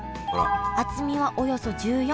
厚みはおよそ１４ミリ。